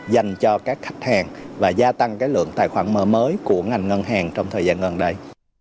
dành cho các khách hàng và gia tăng lượng tài khoản mở mới của ngành ngân hàng trong thời gian gần đây